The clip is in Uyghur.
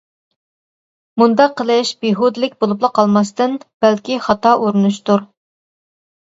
مۇنداق قىلىش بىھۇدىلىك بولۇپلا قالماستىن، بەلكى خاتا ئۇرۇنۇشتۇر.